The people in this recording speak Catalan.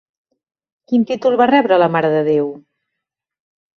Quin títol va rebre la Mare de Déu?